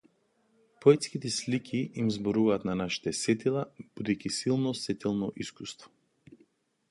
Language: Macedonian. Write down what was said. Поетските слики им зборуваат на нашите сетила, будејќи силно сетилно искуство.